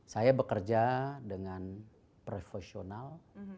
saya bekerja dengan profesional